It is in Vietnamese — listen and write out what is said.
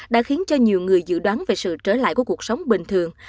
đã khiến cho nhiều người dự đoán về sự trở lại của cuộc sống bình thường